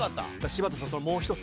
柴田さんのもう一つ。